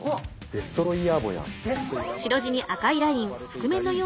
デストロイヤーさま！